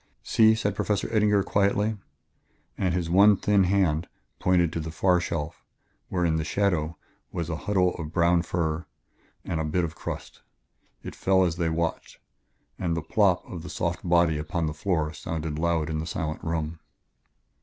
"See," said Professor Eddinger quietly. And his one thin hand pointed to a far shelf, where, in the shadow, was a huddle of brown fur and a bit of crust. It fell as they watched, and the "plop" of the soft body upon the floor sounded loud in the silent room.